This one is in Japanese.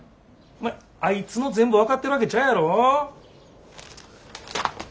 お前あいつの全部分かってるわけちゃうやろ。